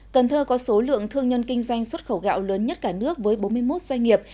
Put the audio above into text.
cần thơ có số lượng thương nhân kinh doanh xuất khẩu gạo lớn nhất cả nước với bốn mươi một doanh nghiệp